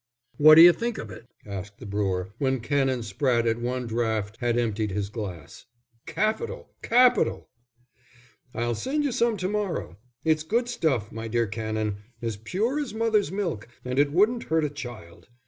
"What d'you think of it?" asked the brewer, when Canon Spratte at one draught had emptied his glass. "Capital, capital!" "I'll send you some to morrow. It's good stuff, my dear Canon as pure as mother's milk, and it wouldn't hurt a child.